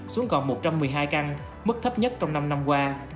xuống còn một trăm một mươi hai căn mức thấp nhất trong năm năm qua